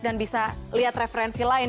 dan bisa lihat referensi lain